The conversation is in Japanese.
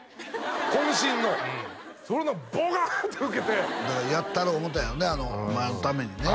渾身のうんそれがボカーンとウケてだからやったろう思うたんやろうねお前のためにね